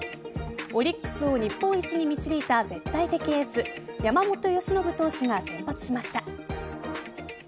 オリックスを日本一に導いた絶対的エース山本由伸投手が先発しました。